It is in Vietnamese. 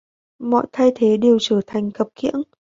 Mọi thay thế đều trở thành khập khiễng